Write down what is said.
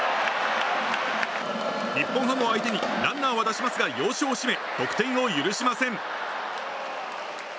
日本ハムを相手にランナーは出しますが要所を締め得点を許しません。